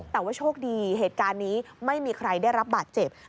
แต่ว่าโชคดีเหตุการณ์นี้ไม่มีใครได้รับบาดเจ็บ